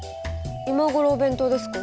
今頃お弁当ですか？